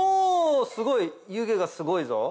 すごい湯気がすごいぞ。